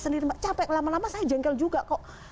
sendiri capek lama lama saya jengkel juga kok